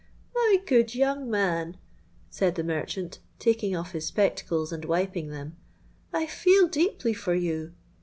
—'My good young man,' said the merchant, taking off his spectacles, and wiping them, 'I feel deeply for you.